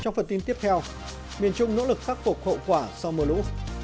trong phần tin tiếp theo miền trung nỗ lực khắc phục hậu quả sau mưa lũ